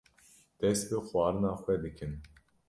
dest bi xwarina xwe dikin.